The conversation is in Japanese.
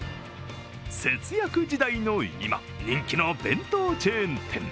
節約時代の今、人気の弁当チェーン店。